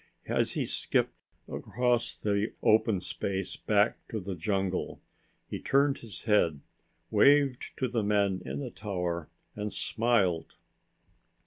As he skipped across the open space back to the jungle, he turned his head, waved to the men in the tower, and smiled.